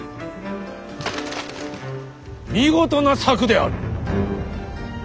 見事な策である。